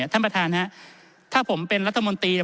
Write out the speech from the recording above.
ท่านประธานครับถ้าผมเป็นรัฐมนตรีแล้ว